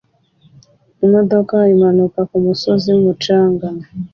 imodoka imanuka kumusozi wumucanga